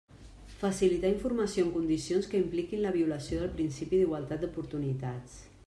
Facilitar informació en condicions que impliquin la violació del principi d'igualtat d'oportunitats.